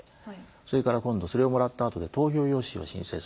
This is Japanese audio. それから今度それをもらったあとで投票用紙を申請する時。